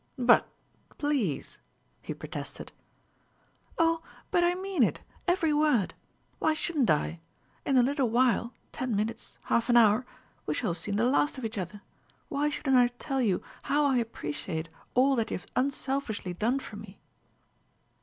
"But please!" he protested. "Oh, but I mean it, every word! Why shouldn't I? In a little while, ten minutes, half an hour, we shall have seen the last of each other. Why should I not tell you how I appreciate all that you have unselfishly done for me?"